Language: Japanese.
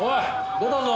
出たぞ！